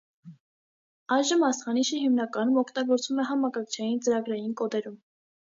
Այժմ աստղանիշը հիմնականում օգտագործվում է համակարգչային ծրագրային կոդերում։